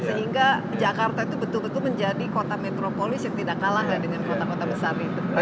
sehingga jakarta itu betul betul menjadi kota metropolis yang tidak kalah dengan kota kota besar